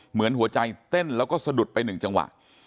เหมือนหัวใจเต้นแล้วก็สะดุดไปหนึ่งจังหวะ